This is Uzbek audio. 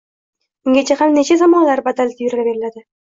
Ungacha ham necha zamonlar badalida yurilaverdi.